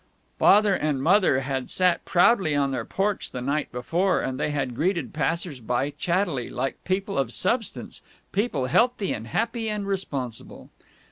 Father and Mother had sat proudly on their porch the night before, and they had greeted passers by chattily, like people of substance, people healthy and happy and responsible.